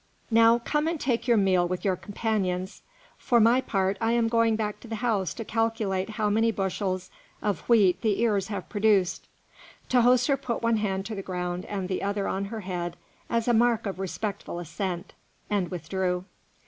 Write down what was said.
Now come and take your meal with your companions. For my part, I am going back to the house to calculate how many bushels of wheat the ears have produced." Tahoser put one hand to the ground and the other on her head as a mark of respectful assent, and withdrew.